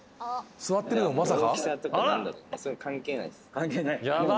座ってるのまさか？